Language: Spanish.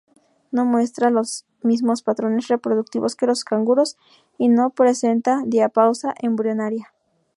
No muestra los mismos patrones reproductivos que los canguros, y no presenta diapausa embrionaria.